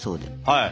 はい。